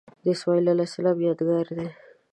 د اسمیل علیه السلام یادګار دی.